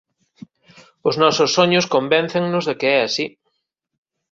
Os nosos soños convéncennos de que é así».